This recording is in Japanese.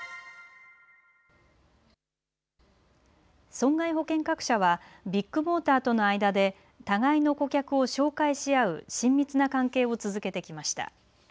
損害保険各社はビッグモーターとの間で互いの顧客を紹介し合う親密な関係を続けてきました。